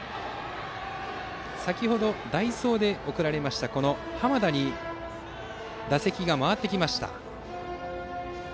先程、代走に送られた濱田に打席が回ってきました。